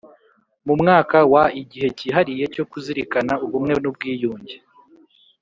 Mu mwaka wa igihe cyihariye cyo kuzirikana Ubumwe n Ubwiyunge